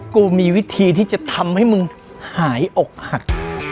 กูมีวิธีที่จะทำให้มึงหายอกหัก